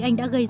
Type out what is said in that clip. anh đã gây dựng